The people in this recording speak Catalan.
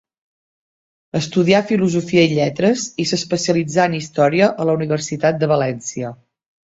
Estudià Filosofia i Lletres i s'especialitzà en història a la Universitat de València.